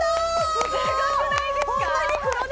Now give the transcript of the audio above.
すごくないですか？